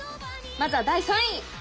まずは第３位！